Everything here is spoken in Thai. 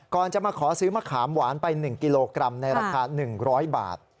ก่อนจะมาขอซื้อมะขามหวานไป๑กิโลกรัมในราคา๑๐๐บาท